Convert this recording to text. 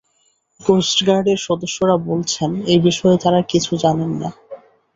কোস্টগার্ডের সদস্যরা বলছেন, এ বিষয়ে তাঁরা কিছু জানেন না।